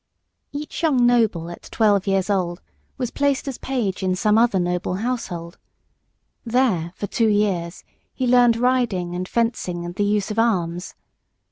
Each young noble at twelve years old was placed as page in some other noble household. There, for two years, he learned riding and fencing, and the use of arms.